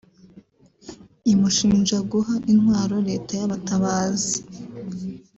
imushinja guha intwaro Leta y’abatabazi